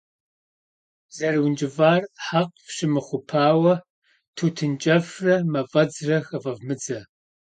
ЗэрыункӀыфӀар хьэкъ фщымыхъупауэ тутын кӀэфрэ мафӀэдзрэ хыфӀэвмыдзэ.